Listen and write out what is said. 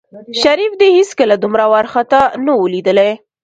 شريف دى هېڅکله دومره وارخطا نه و ليدلى.